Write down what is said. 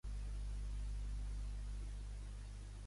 Fou partidari de la col·legiació mèdica obligatòria.